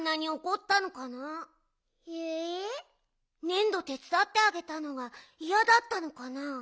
ねんどてつだってあげたのがいやだったのかな？